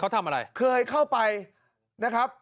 เคยเข้าไปนะครับ